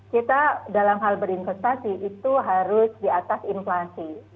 kita dalam hal berinvestasi itu harus di atas inflasi